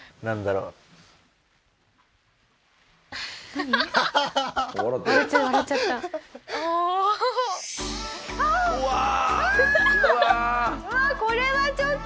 うわっこれはちょっと。